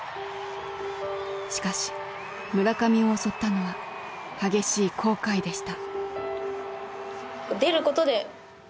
しかし村上を襲ったのは激しい後悔でした。